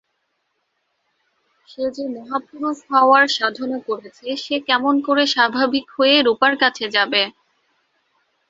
সে যে মহাপুরুষ হওয়ার সাধনা করছে সে কেমন করে স্বাভাবিক হয়ে রূপার কাছে যাবে।